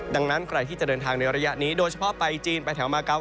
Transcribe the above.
ดังนั้นใครที่จะเดินทางในระยะนี้โดยเฉพาะไปจีนไปแถวมาเกา